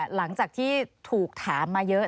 หลังจากที่ถูกถามมาเยอะ